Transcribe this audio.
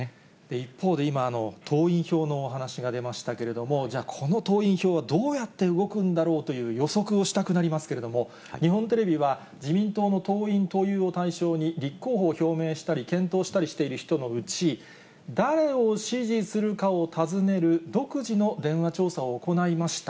一方で、今、党員票のお話が出ましたけれども、じゃあ、この党員票はどうやって動くんだろうという予測をしたくなりますけれども、日本テレビは、自民党の党員・党友を対象に、立候補を表明したり、検討したりしている人のうち、誰を支持するかを尋ねる独自の電話調査を行いました。